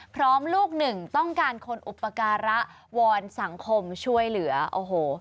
ลูกหนึ่งต้องการคนอุปการะวอนสังคมช่วยเหลือโอ้โห